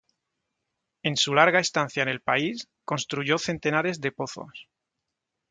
En su larga estancia en el país, construyó centenares de pozos.